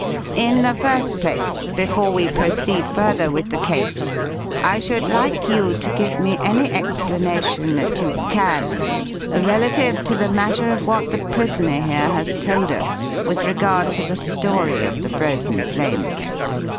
In the first place, before we proceed further with the case, I should like you to give me any explanation that you can relative to the matter of what the prisoner here has told us with regard to the story of the Frozen Flame.